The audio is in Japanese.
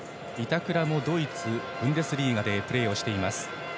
板倉もドイツ、ブンデスリーガでプレーをしています。